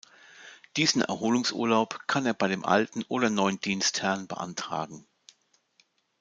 Diesen Erholungsurlaub kann er bei dem alten oder neuen Dienstherrn beantragen.